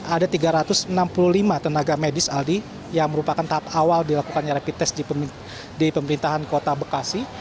ada tiga ratus enam puluh lima tenaga medis aldi yang merupakan tahap awal dilakukannya rapid test di pemerintahan kota bekasi